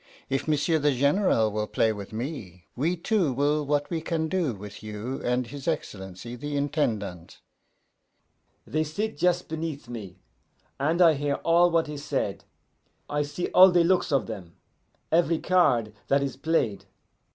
If M'sieu' the General will play with me, we two will what we can do with you and his Excellency the Intendant.' "They sit just beneath me, and I hear all what is said, I see all the looks of them, every card that is played.